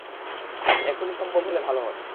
এখুনি সম্ভব হলে ভালো হয়।